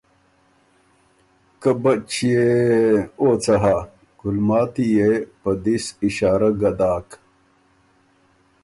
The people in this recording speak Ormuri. که ” بچيې ــ ې ــ ې ــ او څه هۀ؟ “ ګلماتی يې په دِست اشارۀ ګۀ داک